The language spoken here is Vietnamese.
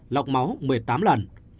lọc máu một mươi tám lần